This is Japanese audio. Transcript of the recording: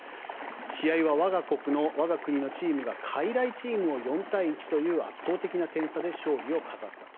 試合は、我が国のチームがかいらいチームを４対１という圧倒的な点差で勝利を飾ったと。